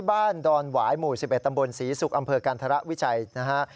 ดอนหวายหมู่๑๑ตำบลศรีศุกร์อำเภอกันธรวิชัยนะฮะ